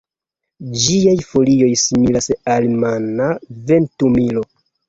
Ĝiaj folioj similas al mana ventumilo.